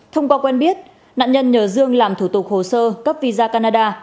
thông qua quen biết nạn nhân nhờ dương làm thủ tục hồ sơ cấp visa canada